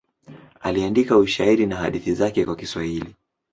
Aliandika ushairi na hadithi zake kwa Kiswahili.